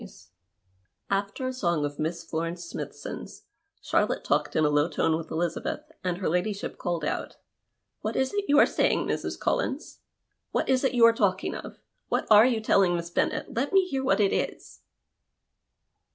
41 PASTICHE AND PREJUDICE After a song of Miss Florence Smithson's Charlotte talked in a low tone with Elizabeth, and her ladyship called out :—" What is that you are saying, Mrs. Collins ? What is it you are talking of ? What arc you telling Miss Bennet ? Let me hear what it is."